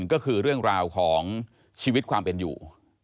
ก็คือเรื่องราวของชีวิตความเป็นอยู่